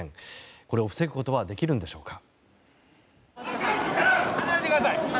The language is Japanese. これを防ぐことはできるんでしょうか。